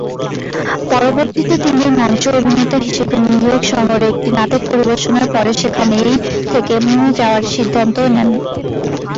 পরবর্তীতে তিনি মঞ্চ অভিনেতা হিসেবে নিউ ইয়র্ক শহরে একটি নাটক পরিবেশনার পরে সেখানেই থেকে যাওয়ার সিদ্ধান্ত নেন।